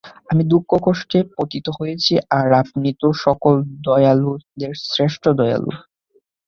আমি দুঃখে-কষ্টে পতিত হয়েছি, আর আপনি তো সকল দয়ালুদের শ্রেষ্ঠ দয়ালু।